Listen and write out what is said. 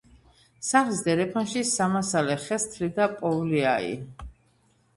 სახლის დერეფანში სამასალე ხეს თლიდა პოვლიაი